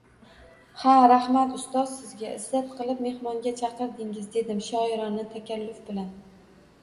Ha rahmat ustoz sizga, izzat qilib mehmonga chaqirdingiz, dedim shoirona takalluf bilan